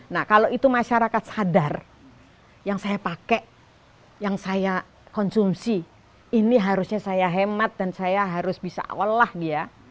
nah kalau itu masyarakat sadar yang saya pakai yang saya konsumsi ini harusnya saya hemat dan saya harus bisa lelah dia